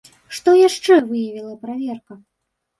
Што яшчэ выявіла праверка?